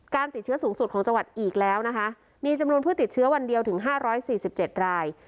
ติดเชื้อสูงสุดของจังหวัดอีกแล้วนะคะมีจำนวนผู้ติดเชื้อวันเดียวถึง๕๔๗ราย